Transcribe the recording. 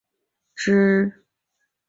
之后王瑜升为辽海卫千户。